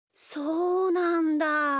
そうなんだ。